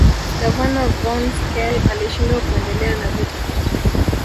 Gavana Von schelle alishindwa kuendelea na vita